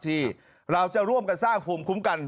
ที่เราจะร่วมกันสร้างภูมิคุ้มกัน